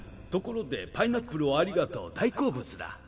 ところでパイナップルをありがとう大好物だ